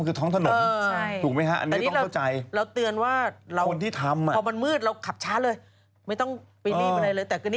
เรด้านเราจับได้ทีละ๓วัน